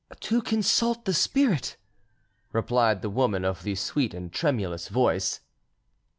"To consult the spirit," replied the woman of the sweet and tremulous voice.